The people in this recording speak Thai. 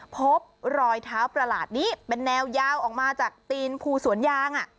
พบรอยเท้าประหลาดนี้เป็นแนวยาวออกมาจากตีนภูสวนยาง